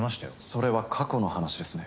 それは過去の話ですね。